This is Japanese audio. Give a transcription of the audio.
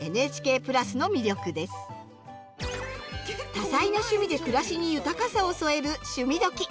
多彩な趣味で暮らしに豊かさを添える「趣味どきっ！」。